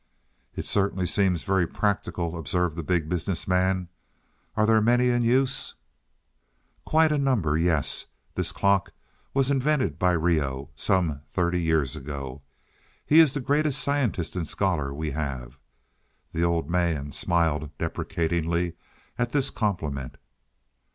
"It certainly seems very practical," observed the Big Business Man. "Are there many in use?" "Quite a number, yes. This clock was invented by Reoh, some thirty years ago. He is the greatest scientist and scholar we have." The old man smiled deprecatingly at this compliment.